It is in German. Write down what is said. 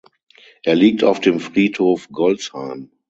Er liegt auf dem Friedhof Golzheim.